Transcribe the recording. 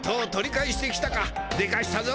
でかしたぞ